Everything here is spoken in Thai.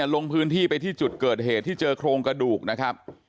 ลงพื้นที่ไปที่จุดเกิดเหตุที่เจอโครงกระดูกนะครับ